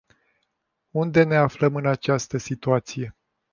Unde ne aflăm în această situație?